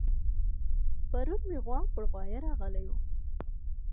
پرون مې غوا پر غوايه راغلې وه